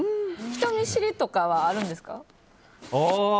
人見知りとかはあるんですか？